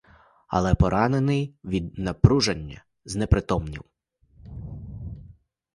Але поранений від напруження знепритомнів.